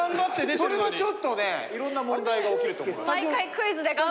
それはちょっとねいろんな問題が起きると思いますよ。